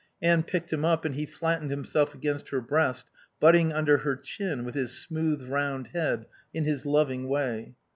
Anne picked him up and he flattened himself against her breast, butting under her chin with his smooth round head in his loving way.